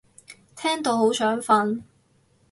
聽到好想瞓